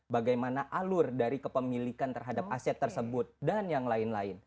bagaimana alur dari kepemilikan terhadap aset tersebut dan yang lain lain